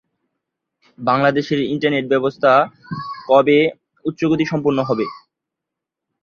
তিনি এশীয় লেখকদের, বিশেষত নারীদের জন্য তিনি লেখালেখি করেছেন।